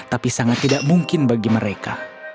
tapi sangat tidak mungkin bagi mereka